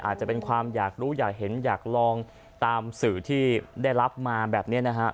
อาจจะเป็นความอยากรู้อยากเห็นอยากลองตามสื่อที่ได้รับมาแบบนี้นะฮะ